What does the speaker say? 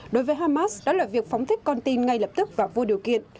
đối với hamas đó là việc phóng thích con tin ngay lập tức và vô điều kiện